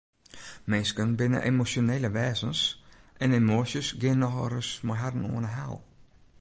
Minsken binne emosjonele wêzens en emoasjes geane nochal ris mei harren oan 'e haal.